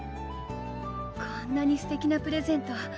こんなにすてきなプレゼント